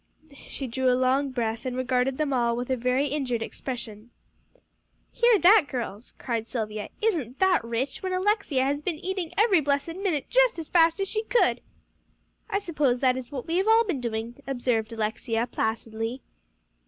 She drew a long breath, and regarded them all with a very injured expression. "Hear that, girls!" cried Silvia; "isn't that rich, when Alexia has been eating every blessed minute just as fast as she could!" "I suppose that is what we all have been doing," observed Alexia placidly.